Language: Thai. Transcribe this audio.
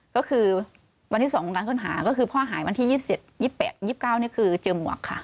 ก็คือวันที่สองของการเชิญหาก็คือพ่อหายวันที่ยี่สิบเจ็ดยี่สิบแปดยี่สิบเก้าเนี้ยคือเจอหมวกค่ะ